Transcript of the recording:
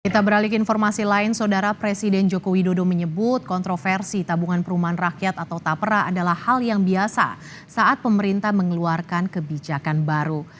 kita beralih ke informasi lain saudara presiden joko widodo menyebut kontroversi tabungan perumahan rakyat atau tapera adalah hal yang biasa saat pemerintah mengeluarkan kebijakan baru